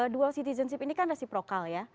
dual citizenship ini kan resiprokal ya